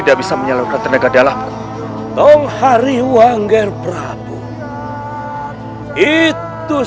ini semua garisan yang widi ger prabu